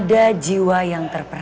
dan ada yang terpukul